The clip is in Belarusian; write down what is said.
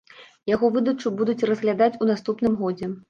Яго выдачу будуць разглядаць у наступным годзе.